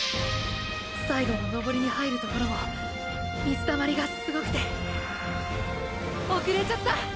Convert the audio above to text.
最後の登りに入るところも水たまりがすごくて遅れちゃった。